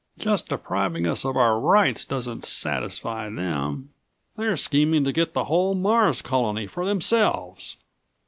Just depriving us of our rights doesn't satisfy them. They're scheming to get the whole Mars Colony for themselves."